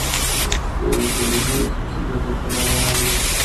Estudió en el Colegio de los jesuitas de Alcalá de Henares.